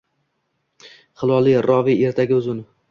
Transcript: Hilol – roviy, ertagi uzun